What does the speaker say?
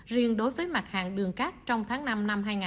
riêng đối với mặt hàng đường cát trong tháng năm năm hai nghìn hai mươi ba